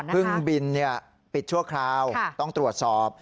บินปิดชั่วคราวต้องตรวจสอบ